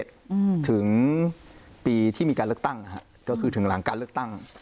หือที่มีการเลือกตั้งค่ะก็คือถึงหลังการเลือกตั้ง